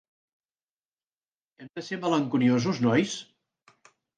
Hem de ser malenconiosos, nois?